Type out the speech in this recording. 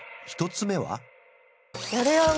１つ目は？